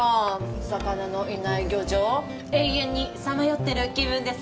魚のいない漁場永遠にさまよってる気分です